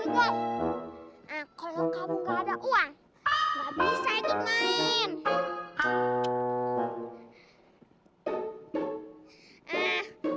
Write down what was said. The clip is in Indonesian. kalau kamu gak ada uang gak bisa ikut main